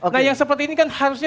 nah yang seperti ini kan harusnya